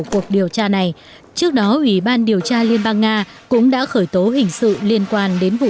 cuộc điều tra này trước đó ủy ban điều tra liên bang nga cũng đã khởi tố hình sự liên quan đến vụ